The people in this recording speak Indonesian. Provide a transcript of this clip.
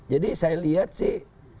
jadi saya lihat sih